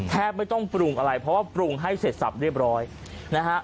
แทบไม่ต้องปรุงอะไรเพราะว่าปรุงให้เสร็จสับเรียบร้อยนะฮะ